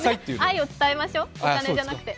愛を伝えましょう、お金じゃなくて。